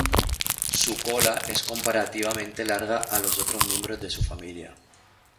Su cola es comparativamente larga a los otros miembros de su familia.